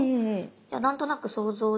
じゃあ何となく想像で。